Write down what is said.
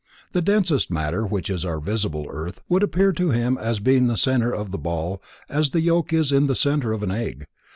The densest matter, which is our visible earth, would appear to him as being the center of the ball as the yolk is in the center of an egg.